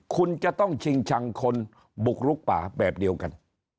คุณจะต้องชิงชังคนบุกลุกป่าแบบเดียวกัน